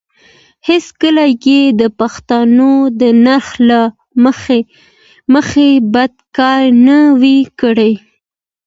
هېڅکله یې د پښتنو د نرخ له مخې بد کار نه وو کړی.